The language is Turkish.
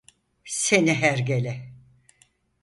Seni hergele!